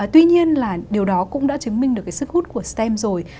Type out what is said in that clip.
tuy nhiên là điều đó cũng đã chứng minh được cái sức hút của stem rồi